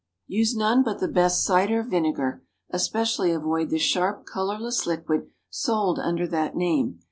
Use none but the best cider vinegar; especially avoid the sharp colorless liquid sold under that name.